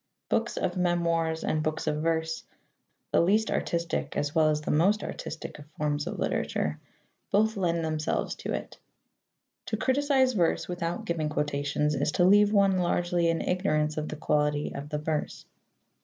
Books of memoirs and books of verse the least artistic as well as the most artistic forms of literature both lend themselves to it. To criticize verse without giving quotations is to leave one largely in ignorance of the quality of the verse.